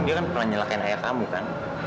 dia kan pernah nyalakan ayah kamu kan